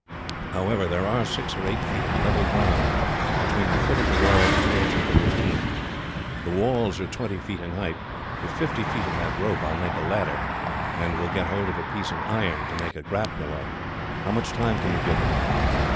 However, there are six or eight feet of level ground between the foot of the wall and the edge of the ravine. The walls are twenty feet in height. With fifty feet of that rope I will make a ladder, and will get hold of a piece of iron to make a grapnel of. How much time can you give me?"